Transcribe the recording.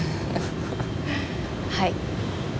はい。